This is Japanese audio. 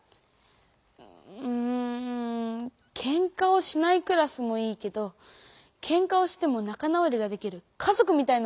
うん「ケンカをしないクラス」もいいけどケンカをしても仲直りができる家ぞくみたいなクラスの方がいい。